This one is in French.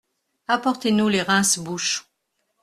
Apportez-nous les rince-bouche.